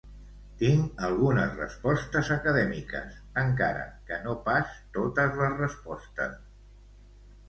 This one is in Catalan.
Tinc algunes respostes acadèmiques, encara que no pas totes les respostes.